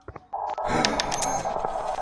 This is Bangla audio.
এমনটা আর করবি না, ঠিকাছে?